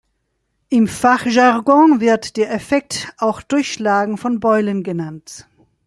Im Fachjargon wird der Effekt auch Durchschlagen von Beulen genannt.